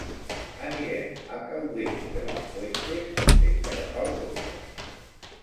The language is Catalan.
Anirem a Caudete de las Fuentes sense agafar el cotxe.